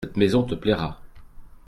Cette maison te plaira.